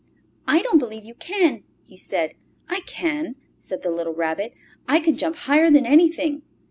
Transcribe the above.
"I don't believe you can!" he said. "I can!" said the little Rabbit. "I can jump higher than anything!"